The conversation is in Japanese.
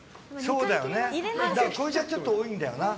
これじゃちょっと多いんだよな。